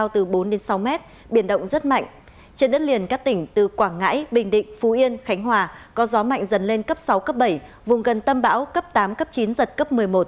trên đất liền các tỉnh từ quảng ngãi bình định phú yên khánh hòa có gió mạnh dần lên cấp sáu cấp bảy vùng gần tâm bão cấp tám cấp chín giật cấp một mươi một